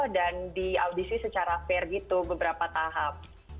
dan diaudisi secara fair gitu beberapa tahap